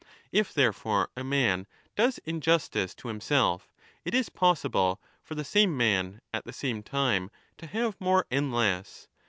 If therefore a man does injustice to himself, it is possible for the same man at the same time to have more and less.